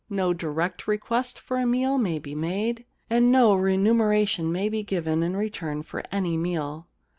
No direct request for a meal may be made and no remuneration may be given in return for any meal.